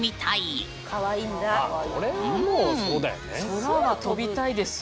空飛びたいですよ。